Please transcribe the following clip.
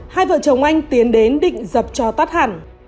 hai vợ chồng anh tiến đến định dập cho tát hẳn